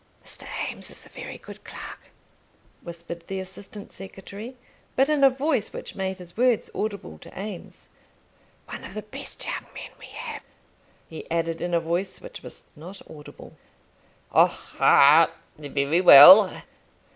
"Mr. Eames is a very good clerk," whispered the assistant secretary, but in a voice which made his words audible to Eames; "one of the best young men we have," he added, in a voice which was not audible. "Oh, ah; very well.